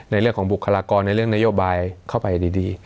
ในเรื่องของบุคลากรในเรื่องนโยบายเข้าไปดี